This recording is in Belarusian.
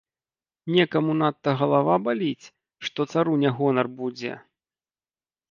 Некаму надта галава баліць, што цару не гонар будзе?!